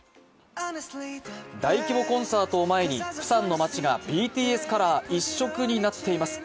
大規模コンサートを前にプサンの街がＢＴＳカラー一色になっています